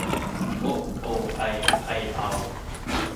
โอะ โอ ไอ ใอ เอา